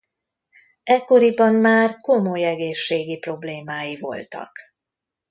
Ekkoriban már komoly egészségi problémái voltak.